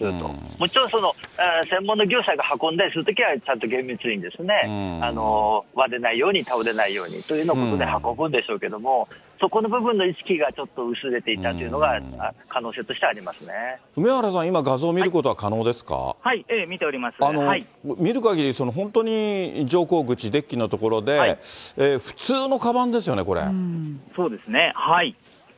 もちろん、専門の業者が運んだりするときは、ちゃんと厳密にですね、割れないように倒れないようにということで運ぶんでしょうけれども、そこの部分の意識がちょっと薄れていたというのは、梅原さん、今、画像見ることはい、見るかぎり、本当に乗降口、デッキの所で、そうですね。